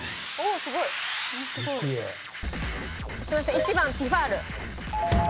１番ティファール。